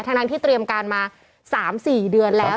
ทั้งที่เตรียมการมา๓๔เดือนแล้ว